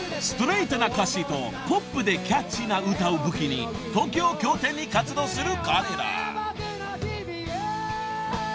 ［ストレートな歌詞とポップでキャッチーな歌を武器に東京を拠点に活動する彼ら］